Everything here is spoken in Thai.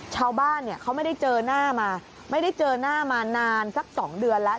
ชาวบ้านเนี่ยเขาไม่ได้เจอหน้ามาไม่ได้เจอหน้ามานานสัก๒เดือนแล้ว